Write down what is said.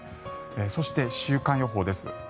そして週間予報です。